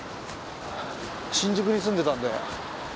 新宿に住んでたんで。